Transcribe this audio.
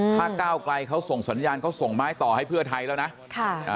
ถ้าก้าวไกลเขาส่งสัญญาณเขาส่งไม้ต่อให้เพื่อไทยแล้วนะค่ะอ่า